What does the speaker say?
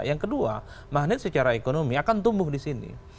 yang kedua magnet secara ekonomi akan tumbuh di sini